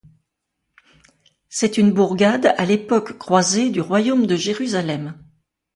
C'est une bourgade à l'époque croisée du royaume de Jérusalem.